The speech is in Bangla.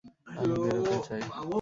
আমি বেরোতে চাই।